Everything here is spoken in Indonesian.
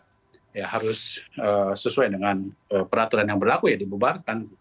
karena kita ya harus sesuai dengan peraturan yang berlaku ya dibebarkan